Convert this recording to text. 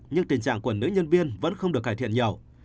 nhưng tình trạng của nữ nhân viên vẫn không được cải thiện nhiều